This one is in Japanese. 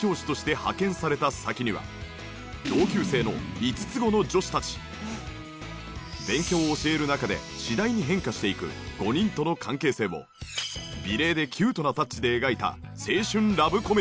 主人公の高校生風太郎が勉強を教える中で次第に変化していく５人との関係性を美麗でキュートなタッチで描いた青春ラブコメディ。